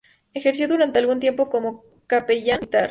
Ejerció durante algún tiempo como capellán militar.